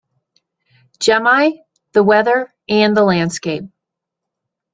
Gemi, the Weather and the Landscape.